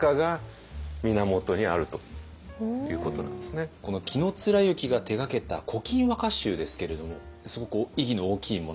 ただこの紀貫之が手がけた「古今和歌集」ですけれどもすごく意義の大きいものなんですか？